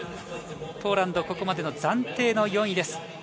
ポーランド、ここまでの暫定は４位です。